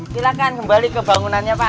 silahkan kembali ke bangunannya pak